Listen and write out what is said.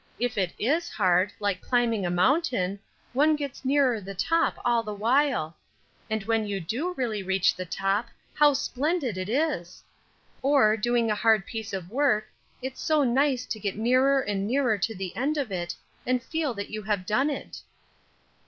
If it is hard, like climbing a mountain, one gets nearer the top all the while; and when you do really reach the top, how splendid it is! Or, doing a hard piece of work, it's so nice to get nearer and nearer to the end of it, and feel that you have done it."